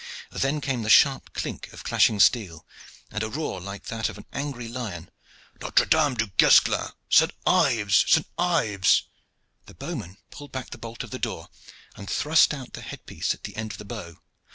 Then came the sharp clink of clashing steel, and a roar like that of an angry lion "Notre Dame Du Guesclin! St. Ives! St. Ives!" The bow man pulled back the bolt of the door, and thrust out the headpiece at the end of the bow.